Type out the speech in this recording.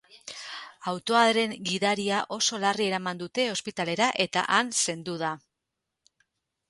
Autoaren gidaria oso larri eraman dute ospitalera eta han zendu da.